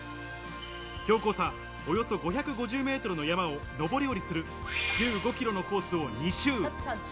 標高差およそ５５０ｍの山を登り降りする１５キロのコースを２周。